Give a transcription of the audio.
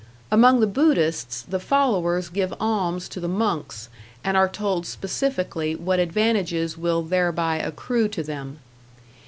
Among the Buddhists, the followers give alms to the monks, and are told specifically what advantages will thereby accrue to them.